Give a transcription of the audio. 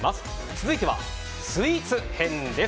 続いては、スイーツ編です。